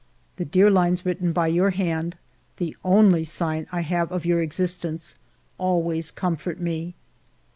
The dear Hnes written by your hand, the only sign I have of your existence, always comfort me."